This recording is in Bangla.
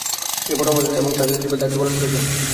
তিনি পরামর্শদাতা এবং সার্জন হিসাবে দায়িত্ব পালন করেছিলেন।